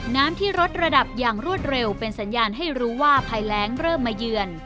น้ำที่ลดระดับอย่างรวดเร็วเป็นสัญญาณให้รู้ว่าภัยแรงเริ่มมาเยือน